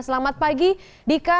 selamat pagi dika